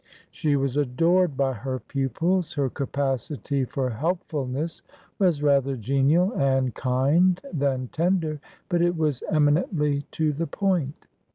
She was adored by her pupils. Her capacity for help fulness was rather genial and kind than tender, but it was eminently to the point.